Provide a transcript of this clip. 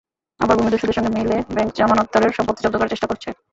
আবার ভূমিদস্যুদের সঙ্গে মিলে ব্যাংক জামানতদারের সম্পত্তি জব্দ করার চেষ্টা করছে।